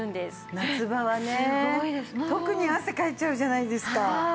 夏場はね特に汗かいちゃうじゃないですか。